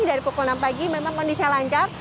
dari pukul enam pagi memang kondisinya lancar